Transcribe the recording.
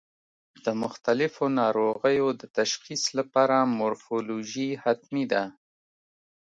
د مختلفو ناروغیو د تشخیص لپاره مورفولوژي حتمي ده.